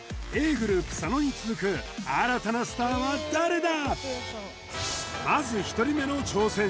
ｇｒｏｕｐ佐野に続く新たなスターは誰だ？